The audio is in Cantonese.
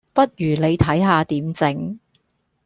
不如你睇下點整